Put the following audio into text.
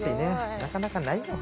なかなかないよ。